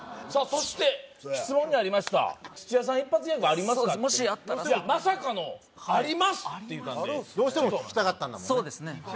そして質問にありました土屋さん一発ギャグありますかってもしあったらまさかの「あります」って言うたんでどうしても聞きたかったんだそうですね